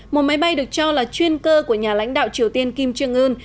một máy bay được cho là chuyên cơ của nhà lãnh đạo triều tiên kim jong un